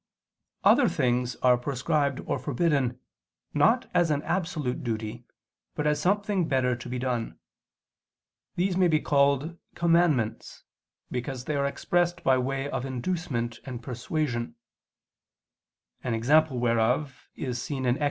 Other things are prescribed or forbidden, not as an absolute duty, but as something better to be done. These may be called "commandments"; because they are expressed by way of inducement and persuasion: an example whereof is seen in Ex.